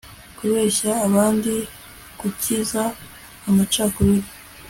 kubeshyera abandi gukwiza amacakubiri